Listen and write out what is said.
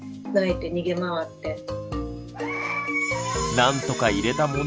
なんとか入れたものの大泣き！